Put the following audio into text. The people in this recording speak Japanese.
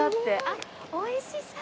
あっ美味しそう！